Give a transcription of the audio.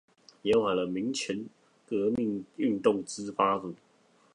延緩了民權革命運動之發主